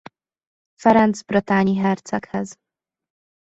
Ferenc bretagne-i herceghez.